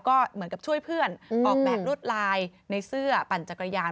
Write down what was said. ก็เหมือนกับช่วยเพื่อนออกแบบรวดลายในเสื้อปั่นจักรยาน